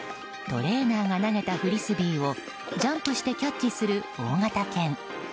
トレーナーが投げたフリスビーをジャンプしてキャッチする大型犬。